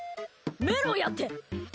メロやて！